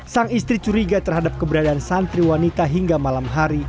sang istri curiga terhadap keberadaan santriwanita hingga malam hari